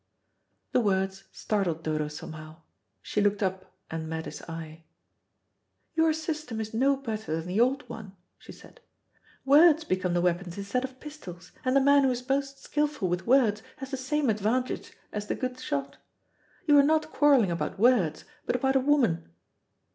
The words startled Dodo somehow. She looked up and met his eye. "Your system is no better than the old one," she said. "Words become the weapons instead of pistols, and the man who is most skilful with words has the same advantage as the good shot. You are not quarrelling about words, but about a woman."